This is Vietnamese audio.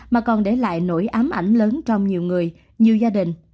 mà còn để lại nỗi ám ảnh lớn trong nhiều người nhiều gia đình